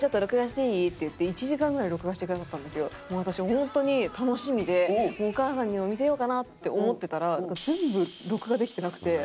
本当に楽しみでお母さんにも見せようかなって思ってたら全部録画できてなくて。